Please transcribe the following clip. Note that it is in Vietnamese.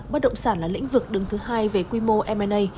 bất động sản là lĩnh vực đứng thứ hai về quy mô m a